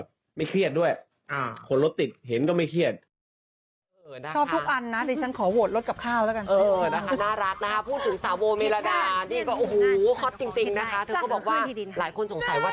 จากฝรั่งจากฝรั่ง